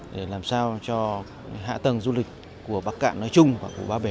để làm sao cho hạ tầng du lịch của bắc cạn nói chung và của ba bể